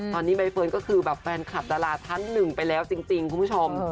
ตอนนี้ใบเฟิร์นก็คือแบบแฟนคลับดาราท่านหนึ่งไปแล้วจริงคุณผู้ชม